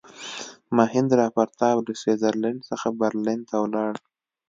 میهندراپراتاپ له سویس زرلینډ څخه برلین ته ولاړ.